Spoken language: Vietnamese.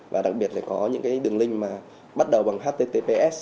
và đặc biệt là có những đường link bắt đầu bằng http